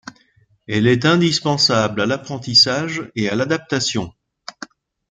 Elle est indispensable à l'apprentissage et à l'adaptation.